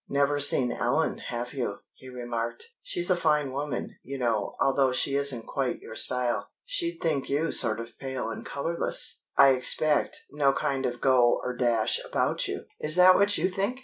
"Never seen Ellen, have you?" he remarked. "She's a fine woman, you know, although she isn't quite your style. She'd think you sort of pale and colorless, I expect no kind of go or dash about you." "Is that what you think?"